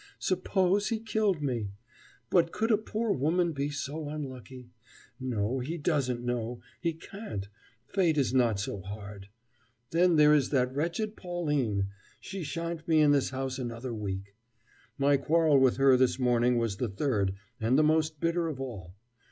Suppose he killed me? But could a poor woman be so unlucky? No, he doesn't know, he can't, fate is not so hard. Then there is that wretched Pauline she shan't be in this house another week. My quarrel with her this morning was the third, and the most bitter of all.